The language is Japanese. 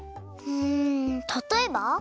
うんたとえば？